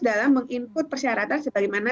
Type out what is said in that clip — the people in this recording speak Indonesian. dalam meng input persyaratan sebagaimana